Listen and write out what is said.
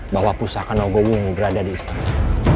bahwa pusaka nogowu berada di istana